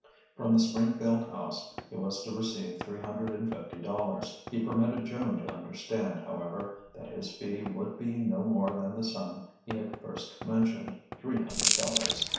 From the Springfield house he was to receive three hundred and fifty dollars. He permitted Joan to understand, however, that his fee would be no more than the sum he had first mentioned three hundred dollars.